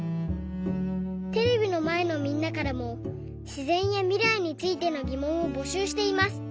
テレビのまえのみんなからもしぜんやみらいについてのぎもんをぼしゅうしています。